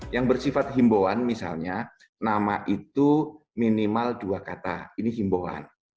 yang bersifat himbauan misalnya nama itu minimal dua kata ini himbauan